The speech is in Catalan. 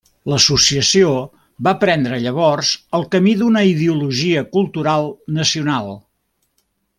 L'associació va prendre llavors el camí d'una ideologia cultural nacional.